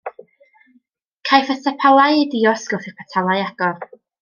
Caiff y sepalau eu diosg wrth i'r petalau agor.